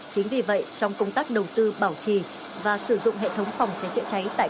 chính vì vậy trong công tác đầu tư bảo trì và sử dụng hệ thống phòng cháy cháy cháy